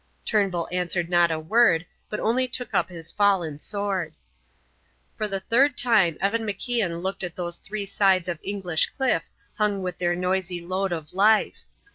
Turnbull answered not a word, but only took up his fallen sword. For the third time Evan MacIan looked at those three sides of English cliff hung with their noisy load of life.